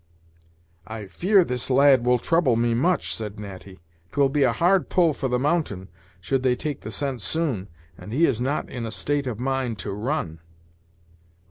"I fear this lad will trouble me much," said Natty; "'twill be a hard pull for the mountain, should they take the scent soon, and he is not in a state of mind to run."